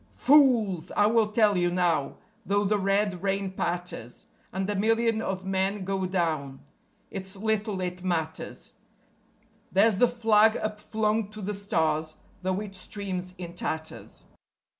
Fools! I will tell you now: though the red rain patters, And a million of men go down, it's little it matters. ... There's the Flag upflung to the stars, though it streams in tatters.